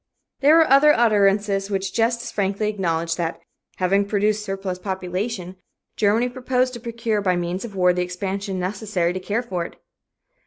There were other utterances which just as frankly acknowledged that, having produced surplus population, Germany proposed to procure by means of war the expansion necessary to care for it.